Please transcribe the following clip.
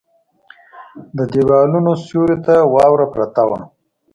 د ديوالونو سيورو ته واوره پرته وه.